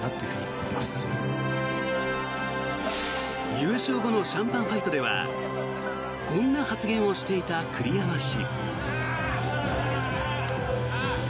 優勝後のシャンパンファイトではこんな発言をしていた栗山氏。